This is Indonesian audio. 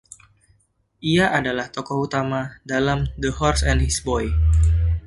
Ia adalah tokoh utama dalam "The Horse and His Boy".